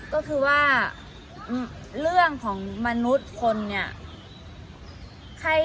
ก็คือว่าเรื่องของมนุษย์คนเนี่ย